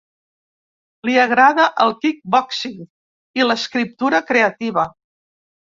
Li agrada el "kick-boxing" i l'escriptura creativa.